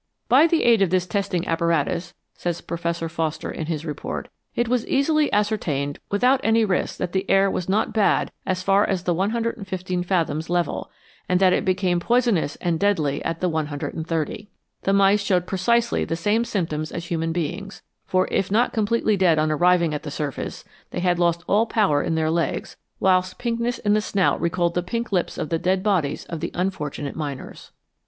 " By the aid of this testing apparatus,"" says Professor Foster in his Report, " it was easily ascertained without any risk that the air was not bad as far as the 115 fathoms level, and that it became poisonous and deadly at the 130. The mice showed precisely the same symptoms as human beings ; for, if not completely dead on arriving at the surface, they had lost all power in their legs, whilst pinkness in the snout recalled the pink lips of the dead bodies of the unfortunate miners.""